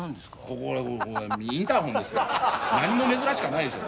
これインターホンですよ何も珍しかないでしょ